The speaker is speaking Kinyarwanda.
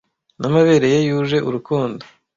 n'amabere ye yuje urukundo